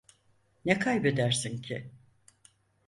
Ne kaybedersin ki?